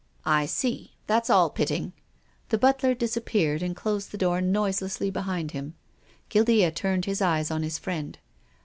" I see. That's all. Pitting." The butler disappeared and closed the door noiselessly behind him. Guildea turned his eyes on his friend.